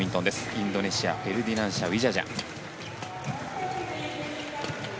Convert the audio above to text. インドネシアフェルディナンシャとウィジャジャ。